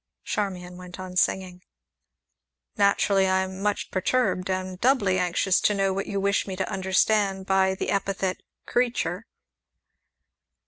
Charmian went on singing. "Naturally I am much perturbed, and doubly anxious to know what you wish me to understand by the epithet 'creature'?"